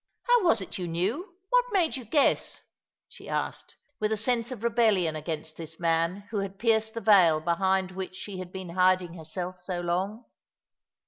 How was it you knew — what made you guess ?" she asked, with a sense of rebellion against this man who had pierced the veil behind which she had been hiding herself so long.